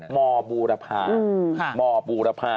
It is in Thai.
หมอบูรภา